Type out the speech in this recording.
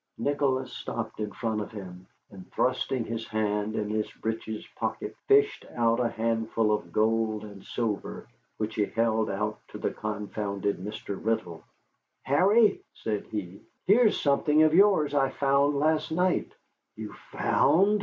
Nicholas stopped in front of him, and, thrusting his hand in his breeches pocket, fished out a handful of gold and silver, which he held out to the confounded Mr. Riddle. "Harry," said he, "here's something of yours I found last night." "You found?"